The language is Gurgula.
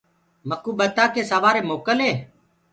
مڪوُ ڀتآن ڪي سوري موڪل هي۔